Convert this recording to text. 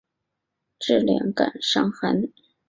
治两感伤寒。